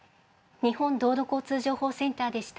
日本道路交通情報センターでした。